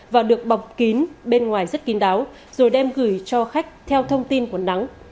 và được bọc kín bên ngoài rất kín đáo rồi đem gửi cho khách theo thông tin của nắng